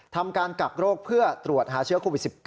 ทำการกักโรคเพื่อตรวจหาเชื้อโควิด๑๙